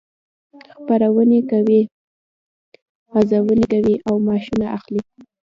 خپرونې کوي، غزونې کوي او معاشونه اخلي.